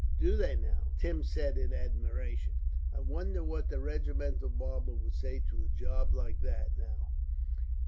"Do they, now?" Tim said, in admiration. "I wonder what the regimental barber would say to a job like that, now.